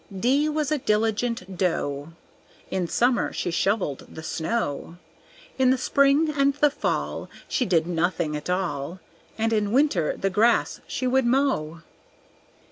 D was a diligent Doe, In summer she shovelled the snow; In the spring and the fall She did nothing at all, And in winter the grass she would mow.